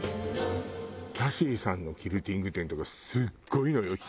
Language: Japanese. キャシーさんのキルティング展とかすごいのよ人。